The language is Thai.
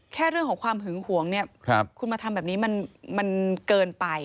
เรื่องของความหึงหวงเนี่ยคุณมาทำแบบนี้มันเกินไป